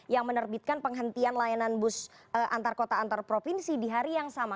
yang menerbitkan penghentian layanan bus antar kota antar provinsi di hari yang sama